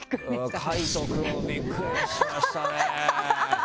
海人くんびっくりしましたね！